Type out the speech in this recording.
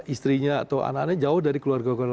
istrinya atau anak anaknya jauh dari keluarga keluarga